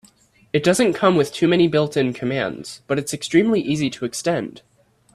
It doesn't come with too many built-in commands, but it's extremely easy to extend.